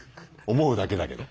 思うだけだけど。